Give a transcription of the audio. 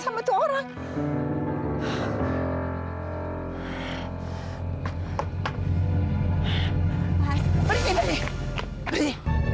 kamu sudah mendorong tania berdekat